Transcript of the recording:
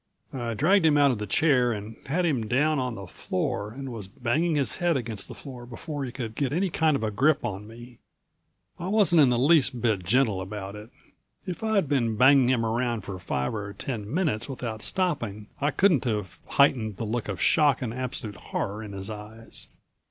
I dragged him out of the chair and had him down on the floor and was banging his head against the floor before he could get any kind of grip on me. I wasn't in the least bit gentle about it. If I'd been banging him around for five or ten minutes without stopping I couldn't have heightened the look of shock and absolute horror in his eyes.